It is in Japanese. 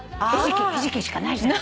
ひじきしかないじゃない。